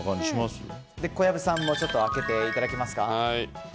小籔さんもちょっと開けていただけますか？